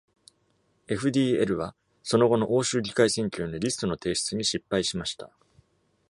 FdL は、その後の欧州議会選挙へのリストの提出に失敗しました。